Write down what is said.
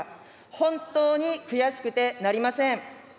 本当に悔しくてなりません。